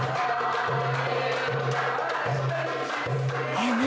えっ何？